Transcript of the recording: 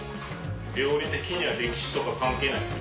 料理的には歴史とか関係ないですね。